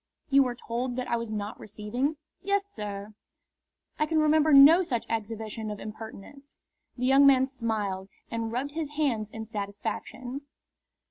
"You were told that I was not receiving?" "Yes, sir." "I can remember no such exhibition of impertinence." The young man smiled and rubbed his hands in satisfaction.